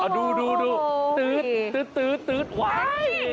ดูตื๊ดขวาน